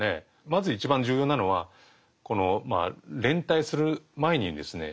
まず一番重要なのはこの連帯する前にですね